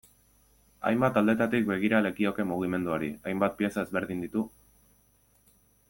Hainbat aldetatik begira lekioke mugimenduari, hainbat pieza ezberdin ditu.